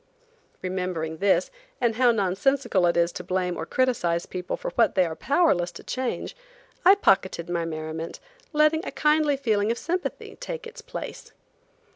Remembering this, and how nonsensical it is to blame or criticise people for what they are powerless to change, I pocketed my merriment, letting a kindly feeling of sympathy take its place.